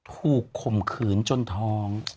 ถูกข่มขืนจนทอง